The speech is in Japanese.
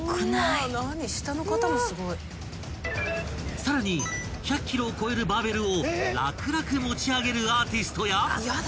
［さらに１００ｋｇを超えるバーベルを楽々持ち上げるアーティストや］